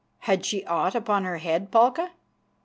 "Had she aught upon her head, Palka?"